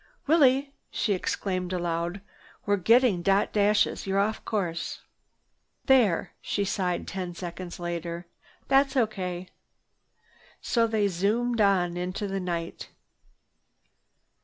"Willie!" she exclaimed aloud, "We're getting dot dashes! You're off the course. "There!" she sighed ten seconds later. "That's O.K." So they zoomed on into the night.